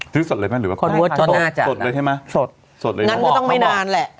ซื้อสดเลยมั้ยหรือว่าสดเลยใช่มั้ยสดสดเลยงั้นก็ต้องไม่นานแหละ